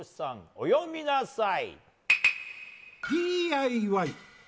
お詠みなさい！